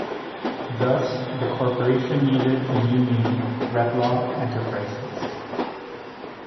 Thus the Corporation needed a new name, Retlaw Enterprises.